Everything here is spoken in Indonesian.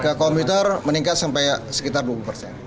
ke komputer meningkat sampai sekitar dua puluh persen